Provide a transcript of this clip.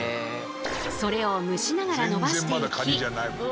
それを蒸しながらのばしていき